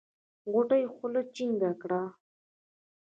غوټۍ خوله جينګه کړه.